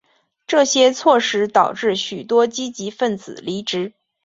这些措施导致许多积极份子离职。